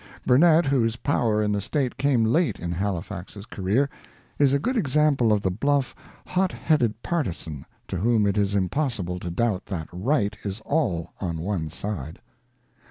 Burnet, whose power in the State came late in Halifax's career, is a good example of the bluff, hot headed partisan, to whom it is impossible to doubt that right is all on one side.